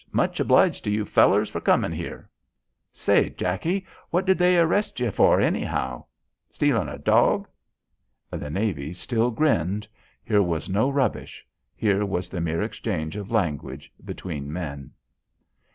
Much obliged to you fellers for comin' here." "Say, Jackie, what did they arrest ye for anyhow? Stealin' a dawg?" The navy still grinned. Here was no rubbish. Here was the mere exchange of language between men.